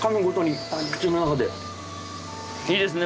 いいですね